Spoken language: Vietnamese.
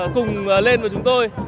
cùng lên với chúng tôi